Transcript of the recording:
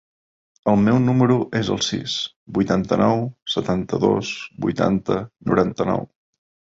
El meu número es el sis, vuitanta-nou, setanta-dos, vuitanta, noranta-nou.